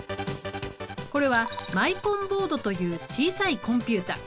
これはマイコンボードという小さいコンピュータ。